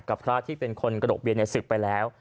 พระที่เป็นคนกระดกเบียนศึกไปแล้ว